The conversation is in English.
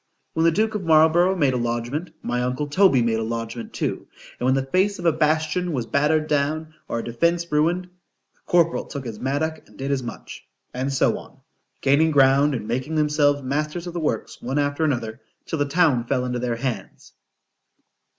When the duke of Marlborough made a lodgment,——my uncle Toby made a lodgment too.——And when the face of a bastion was battered down, or a defence ruined,—the corporal took his mattock and did as much,—and so on;——gaining ground, and making themselves masters of the works one after another, till the town fell into their hands.